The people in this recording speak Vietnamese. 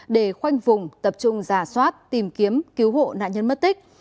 để khoanh vùng tập trung giả soát tìm kiếm cứu hộ nạn nhân mất tích